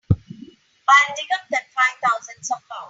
I'll dig up that five thousand somehow.